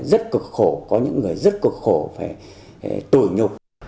rất cực khổ có những người rất cực khổ phải tuổi nhục